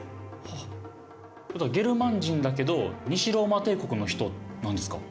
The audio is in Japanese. ゲルマン人だけど西ローマ帝国の人なんですか？